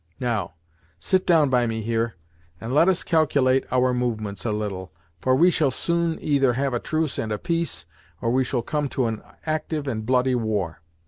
Now, sit down by me here, and let us calculate our movements a little, for we shall soon either have a truce and a peace, or we shall come to an actyve and bloody war.